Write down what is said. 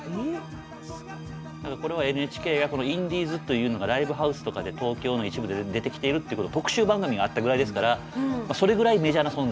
これはＮＨＫがこのインディーズというのがライブハウスとかで東京の一部で出てきているってことを特集番組があったぐらいですからそれぐらいメジャーな存在。